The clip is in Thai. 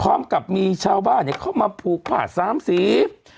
พร้อมกับมีชาวบ้านเนี่ยเข้ามาผูกผาด๓สี